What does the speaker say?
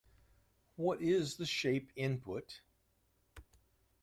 What is the shape input?